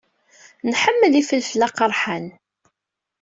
Nḥemmel ifelfel aqerḥan.